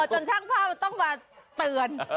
จนช่างภาพต้องมาเตือน